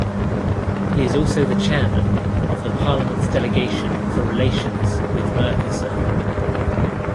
He is also the chairman of the parliament's delegation for relations with Mercosur.